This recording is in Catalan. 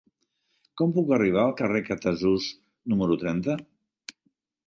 Com puc arribar al carrer de Catasús número trenta?